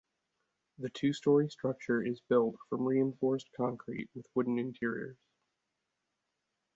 The two-story structure is built from reinforced concrete with wooden interiors.